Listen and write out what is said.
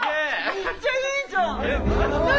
めっちゃいいじゃん！何？